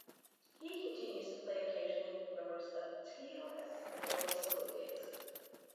He continues to play occasionally with members of ToS as well as solo gigs.